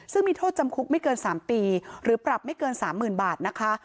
ซึ่งมีโทษจำคุกไม่เกิน๓ปีหรือปรับไม่เกิน๓๐๐๐บาทนะคะ